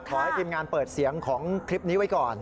ขอให้ทีมงานเปิดเสียงของคลิปนี้ไว้ก่อน